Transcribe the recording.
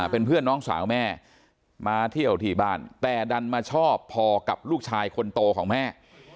เป็นเพื่อนน้องสาวแม่มาเที่ยวที่บ้านแต่ดันมาชอบพอกับลูกชายคนโตของแม่